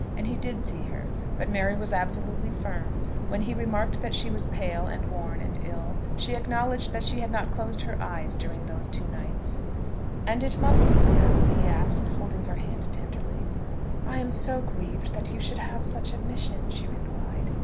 And he did see her. But Mary was absolutely firm. When he remarked that she was pale and worn and ill, she acknowledged that she had not closed her eyes during those two nights. "And it must be so?" he asked, holding her hand tenderly. "I am so grieved that you should have such a mission," she replied.